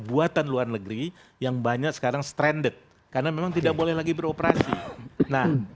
buatan luar negeri yang banyak sekarang stranded karena memang tidak boleh lagi beroperasi nah